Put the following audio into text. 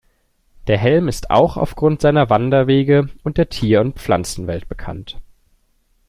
Der Helm ist auch aufgrund seiner Wanderwege und der Tier- und Pflanzenwelt bekannt.